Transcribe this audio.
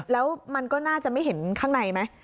แล้วมันก็น่าจะไม่เห็นข้างในไหม